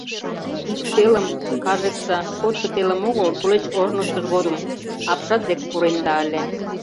— Ик телым, кажется, кодшо телым огыл, тулеч ожнысыж годым апшат дек пуренда ыле.